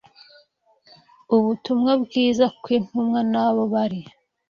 Ubutumwa Bwiza kw’intumwa n’abo bari